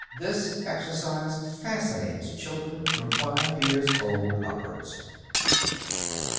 This exercise fascinates children from five years old upwards.